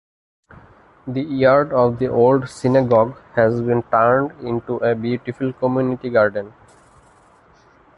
The yard of the old synagogue has been turned into a beautiful community garden.